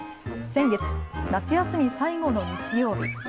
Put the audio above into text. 先月、夏休み最後の日曜日。